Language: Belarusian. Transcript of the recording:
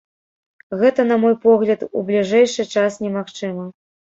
Гэта, на мой погляд, у бліжэйшы час немагчыма.